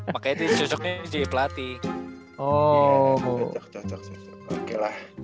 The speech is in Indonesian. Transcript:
pakai di sesuai jadi pelatih oh